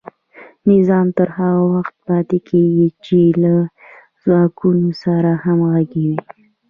نظام تر هغه وخته پاتې کیږي چې له ځواکونو سره همغږی وي.